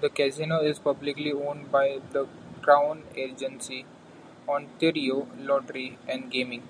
The Casino is publicly owned by the Crown agency, Ontario Lottery and Gaming.